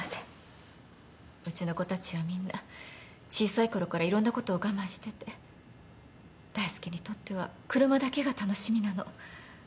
うちの子たちはみんな小さい頃からいろんなことを我慢してて大介にとっては車だけが楽しみなの。